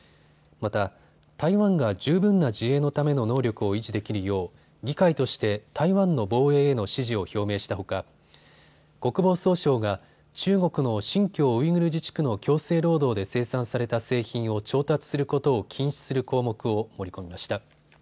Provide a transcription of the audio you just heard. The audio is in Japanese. また、台湾が十分な自衛のための能力を維持できるよう議会として台湾の防衛への支持を表明したほか国防総省が中国の新疆ウイグル自治区の強制労働で生産された製品を調達することを禁止する項目を盛り込みました。